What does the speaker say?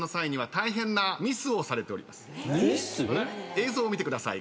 映像を見てください。